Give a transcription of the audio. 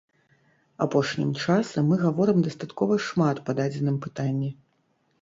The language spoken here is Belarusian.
Апошнім часам мы гаворым дастаткова шмат па дадзеным пытанні.